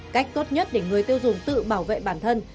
cách tốt nhất để người tiêu dùng tự bảo vệ bản thân